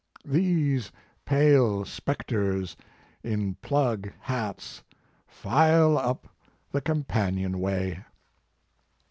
These pale spectres in plug hats file up the companion way."